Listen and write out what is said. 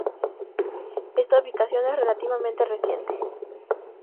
Esta ubicación es relativamente reciente.